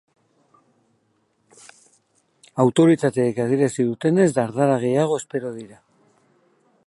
Autoritateek adierazi dutenez, dardara gehiago espero dira.